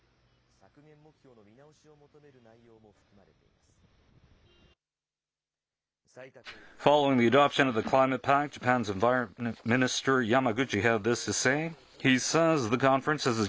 削減目標の見直しを求める内容も含まれています。